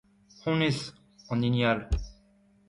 Honnezh, an hini all.